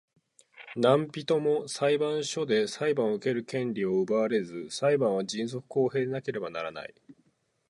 何人（なんびと）も裁判所で裁判を受ける権利を奪われず、裁判は迅速公平でなければならない。